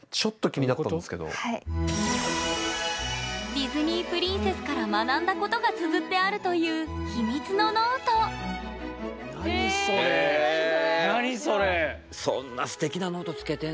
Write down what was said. ディズニープリンセスから学んだことがつづってあるという秘密のノートなるほど。